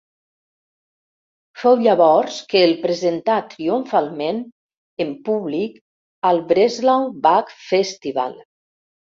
Fou llavors que el presentà triomfalment en públic al Breslau Bach Festival.